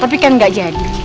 tapi kan gak jadi